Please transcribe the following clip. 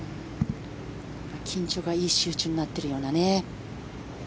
緊張がいい集中になっているようなね。